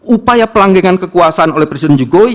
upaya pelanggengan kekuasaan oleh presiden jokowi